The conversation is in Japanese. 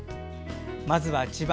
まずは千葉。